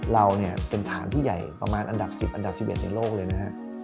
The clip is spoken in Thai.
เราเนี่ยเป็นฐานที่ใหญ่ประมาณอันดับ๑๐อันดับ๑๑ในโลกเลยนะฮะ